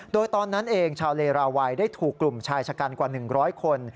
โดยตอนนั้นเองชาวเลราวัยได้ถูกกลุ่มชายชะกันกว่า๑๐๐คน